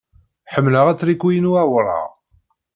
Ḥemmleɣ atriku-inu awraɣ.